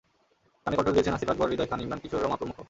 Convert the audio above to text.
গানে কণ্ঠ দিয়েছেন আসিফ আকবর, হৃদয় খান, ইমরান, কিশোর, রমা প্রমুখ।